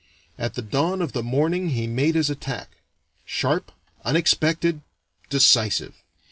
At the dawn of the morning he made his attack sharp, unexpected, decisive.